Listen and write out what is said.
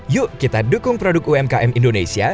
yuk kita dukung produk umkm indonesia